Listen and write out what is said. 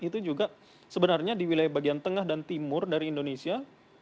itu juga sebenarnya di wilayah bagian tengah dan timur dari indonesia